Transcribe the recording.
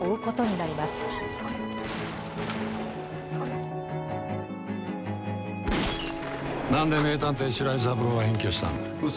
なんで名探偵、白井三郎は隠居したんだ。